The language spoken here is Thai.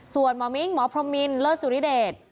ส่วนหมอมิ้งหมอพรมมินเลิศสุริเดช